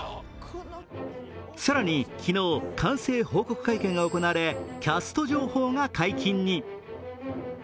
更に、昨日、完成報告会見が行われ、キャスト情報が解禁に。